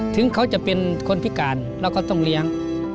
ถึงเขาจะเป็นคนพิการเราก็ต้องเลี้ยง